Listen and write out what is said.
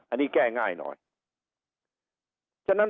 อันนี้แก้ง่ายหน่อย